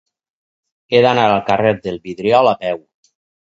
He d'anar al carrer del Vidriol a peu.